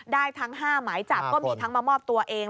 ทั้ง๕หมายจับก็มีทั้งมามอบตัวเอง